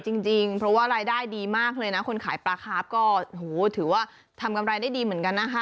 จริงเพราะว่ารายได้ดีมากเลยนะคนขายปลาคาร์ฟก็ถือว่าทำกำไรได้ดีเหมือนกันนะคะ